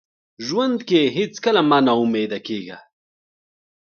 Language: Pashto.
ژوند کې هیڅکله مه ناامیده کیږه.